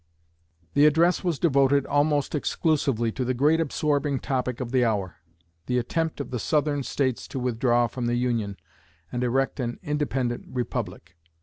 The address was devoted almost exclusively to the great absorbing topic of the hour the attempt of the Southern States to withdraw from the Union and erect an independent republic.